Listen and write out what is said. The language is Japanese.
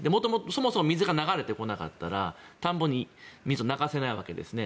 そもそも水が流れてこなかったら田んぼに水を流せないわけですね。